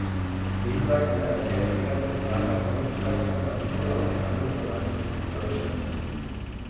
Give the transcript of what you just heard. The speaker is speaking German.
Jenseits seiner Tätigkeit als reiner Comiczeichner war Niese auch in anderen Bereichen künstlerisch aktiv.